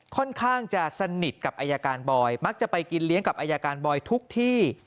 ค่อนข้างจะสนิทกับอายการบอยมักจะไปกินเลี้ยงกับอายการบอยทุกที่